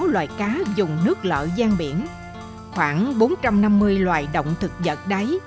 năm trăm một mươi sáu loài cá dùng nước lợi giang biển khoảng bốn trăm năm mươi loài động thực vật đáy